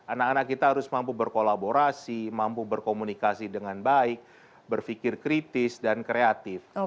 anak anak kita harus mampu berkolaborasi mampu berkomunikasi dengan baik berpikir kritis dan kreatif